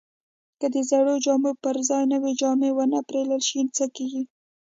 که د زړو جامو پر ځای نوې جامې ونه پیرل شي، څه کیږي؟